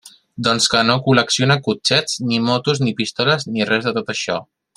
Doncs que no col·lecciona cotxets, ni motos, ni pistoles, ni res de tot això.